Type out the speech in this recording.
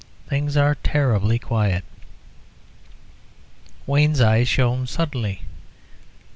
"Things are terribly quiet." Wayne's eyes shone suddenly.